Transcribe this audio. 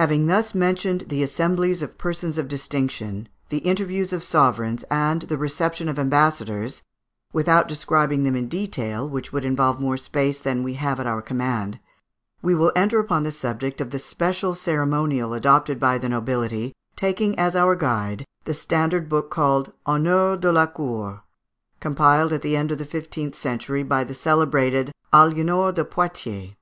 Having thus mentioned the assemblies of persons of distinction, the interviews of sovereigns (Fig. 394), and the reception of ambassadors without describing them in detail, which would involve more space than we have at our command we will enter upon the subject of the special ceremonial adopted by the nobility, taking as our guide the standard book called "Honneurs de la Cour," compiled at the end of the fifteenth century by the celebrated Aliénor de Poitiers.